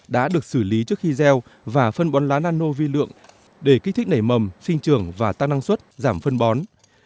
đã được xử lý trước khi gieo và phân bón lá nano vi lượng để kích thích nảy mầm sinh trường và tăng năng suất giảm phân bó